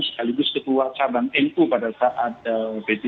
sekaligus ketua cabang nu pada saat p tiga